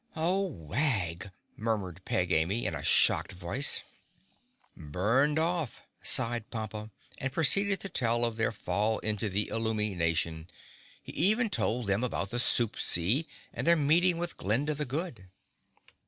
"Oh, Wag!" murmured Peg Amy, in a shocked voice. "Burned off," sighed Pompa, and proceeded to tell of their fall into the Illumi Nation. He even told them about the Soup Sea and of their meeting with Glinda, the Good.